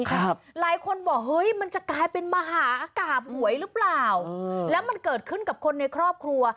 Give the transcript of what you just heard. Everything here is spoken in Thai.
หลายคนบอกเฮ้ยมันจะกลายเป็นมหากราบหวยหรือเปล่าแล้วมันเกิดขึ้นกับคนในครอบครัว